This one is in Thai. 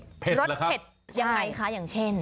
รสเผ็ดยังไงคะอย่างเช่น